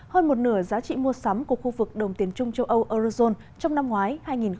hơn một nửa giá trị mua sắm của khu vực đồng tiền trung châu âu eurozone trong năm ngoái hai nghìn một mươi chín